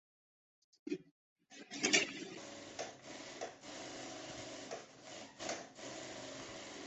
嵯峨御流是以嵯峨天皇为开祖的华道之一派。